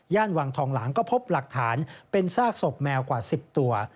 วังทองหลางก็พบหลักฐานเป็นซากศพแมวกว่า๑๐ตัว